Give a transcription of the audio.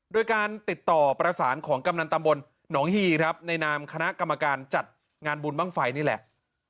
โดยการติดต่อประสานของกำนันตำบลหนองฮีครับในนามคณะกรรมการจัดงานบุญบ้างไฟนี่แหละ